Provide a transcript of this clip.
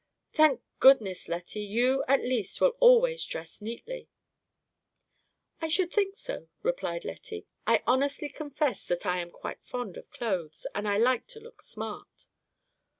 "Thank goodness, Lettie, you at least will always dress neatly." "I should think so," replied Lettie. "I honestly confess that I am quite fond of clothes, and I like to look smart."